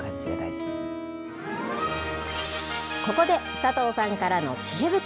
ここで、佐藤さんからのちえ袋。